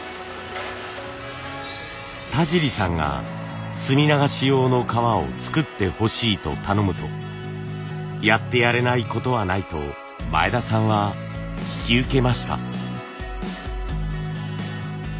田尻さんが墨流し用の革を作ってほしいと頼むと「やってやれないことはない」と前田さんは引き受けました。